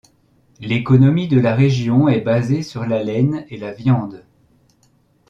L'économie de la région est basée sur la laine et la viande.